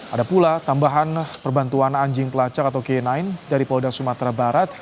ada pula tambahan perbantuan anjing pelacak atau k sembilan dari polda sumatera barat